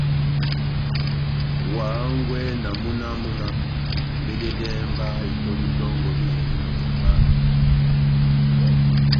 Wa hángwɛ na múna wamu náh :« veledɛhɛ mba itɔ́ndi dɔngɔ dijaninɔ ó njamba yami »